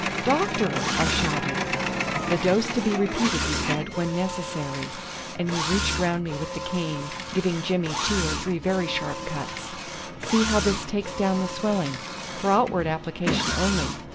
"Doctor!" I shouted. "The dose to be repeated," he said, "when necessary," and he reached round me with the cane, giving Jimmy two or three very sharp cuts. "See how this takes down the swelling. For outward application only.